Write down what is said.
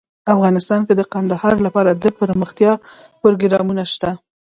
افغانستان کې د کندهار لپاره دپرمختیا پروګرامونه شته.